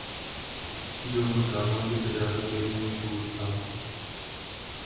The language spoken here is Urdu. جو مسالوں کی تجارت کے لیے مشہور تھا